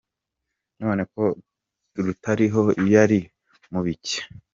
None ko rutariho yari mu biki ?